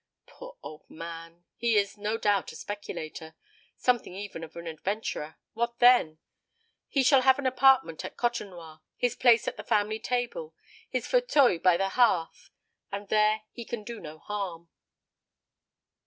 Poor old man! He is, no doubt, a speculator something even of an Adventurer. What then? He shall have an apartment at Côtenoir, his place at the family table, his fauteuil by the hearth; and there he can do no harm."